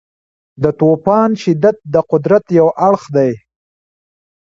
د طوفان شدت د قدرت یو اړخ دی.